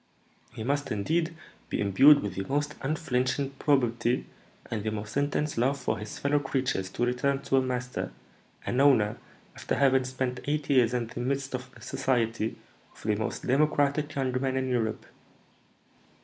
"He must, indeed, be imbued with the most unflinching probity and the most intense love for his fellow creatures to return to a master, an owner, after having spent eight years in the midst of the society of the most democratic young men in Europe."